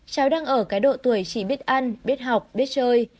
cháu đang ở cái độ tuổi chỉ biết ăn biết học biết chơi